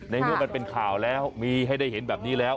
เมื่อมันเป็นข่าวแล้วมีให้ได้เห็นแบบนี้แล้ว